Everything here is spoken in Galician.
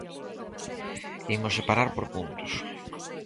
Imos separar por puntos.